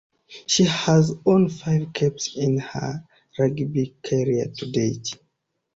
She has won five caps in her rugby career to date.